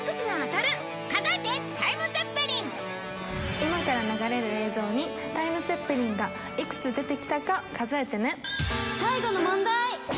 今から流れる映像にタイムツェッペリンがいくつ出てきたか数えてね。